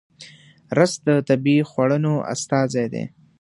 رس د طبیعي خوړنو استازی دی